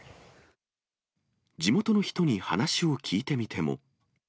地元の人に話を聞いてみても。